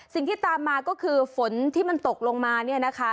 สิ่งที่ตามมาก็คือฝนที่มันตกลงมา